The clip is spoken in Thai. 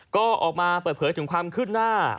ก็ออกมาเปิดเผยถึงความคืบหน้า